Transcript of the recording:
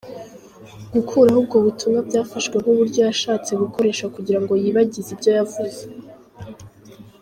Gukuraho ubwo butumwa byafashwe nk’uburyo yashatse gukoresha kugirango yibagize ibyo yavuze.